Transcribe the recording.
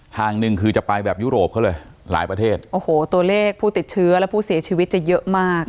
ทางหนึ่งคือจะไปแบบยุโรปเขาเลยหลายประเทศโอ้โหตัวเลขผู้ติดเชื้อและผู้เสียชีวิตจะเยอะมาก